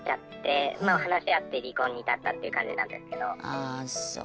ああそう。